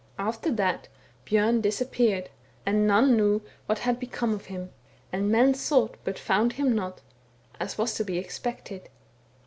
After that, Bjom disappeared, and none knew what had become of him ; and men sought but found him not, as was to be expected.